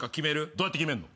どうやって決めんの？